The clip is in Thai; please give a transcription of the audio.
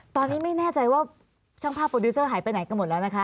ตอนนี้ไม่แน่ใจว่าช่างภาพโปรดิวเซอร์หายไปไหนกันหมดแล้วนะคะ